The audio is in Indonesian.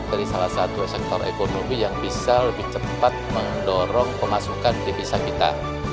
dari salah satu sektor ekonomi yang bisa lebih cepat mendorong pemasukan devisa kita